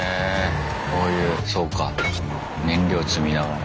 こういうそうか燃料積みながら。